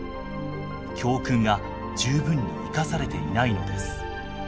教訓が十分に生かされていないのです。